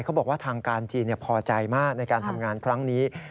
เขาบอกว่าทางการจีนพอใจมากในการทำงานครั้งนี้